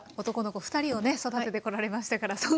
男の子２人をね育ててこられましたから。